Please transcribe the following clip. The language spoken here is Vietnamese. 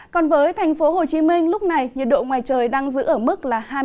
còn với thành phố hồ chí minh lúc này nhiệt độ ngoài trời đang giữ ở mức là